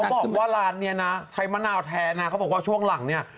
บอกว่าร้านนี้นะใช้มะนาวแท้นะเขาบอกว่าช่วงหลังเนี่ย